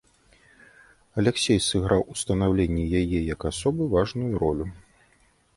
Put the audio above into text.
Аляксей сыграў у станаўленні яе як асобы важную ролю.